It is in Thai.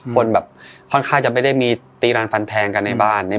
คนแบบค่อนข้างจะไม่ได้มีตีรันฟันแทงกันในบ้าน